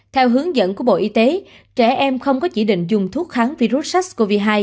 theo hướng dẫn của bộ y tế trẻ em không có chỉ định dùng thuốc kháng virus sars cov hai